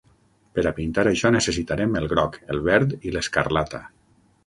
Per a pintar això necessitarem el groc, el verd i l'escarlata.